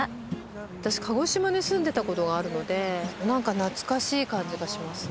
私鹿児島に住んでたことがあるので何か懐かしい感じがしますね。